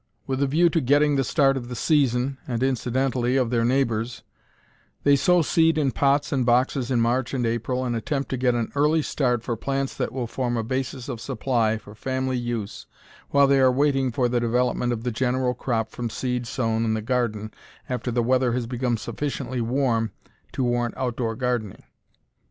With a view to "getting the start of the season" and, incidentally, of their neighbors, they sow seed in pots and boxes in March and April and attempt to get an "early start" for plants that will form a basis of supply for family use while they are waiting for the development of the general crop from seed sown in the garden after the weather has become sufficiently warm to warrant outdoor gardening.